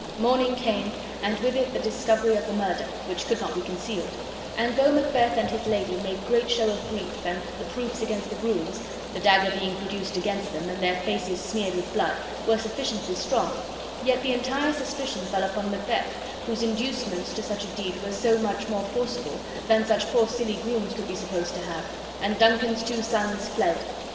Morning came, and with it the discovery of the murder, which could not be concealed; and though Macbeth and his lady made great show of grief, and the proofs against the grooms (the dagger being produced against them and their faces smeared with blood) were sufficiently strong, yet the entire suspicion fell upon Macbeth, whose inducements to such a deed were so much more forcible than such poor silly grooms could be supposed to have; and Duncan's two sons fled.